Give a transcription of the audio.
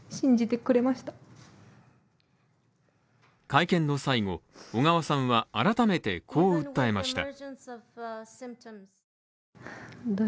会見の最後、小川さんは改めてこう訴えました。